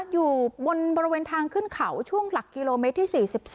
อยู่บนบริเวณทางขึ้นเขาช่วงหลักกิโลเมตรที่๔๒